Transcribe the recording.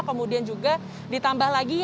kemudian juga ditambah lagi